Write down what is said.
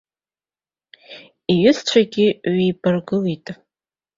Иҩызцәагьы ҩеибаргылеит.